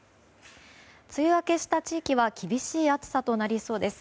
梅雨明けした地域は厳しい暑さとなりそうです。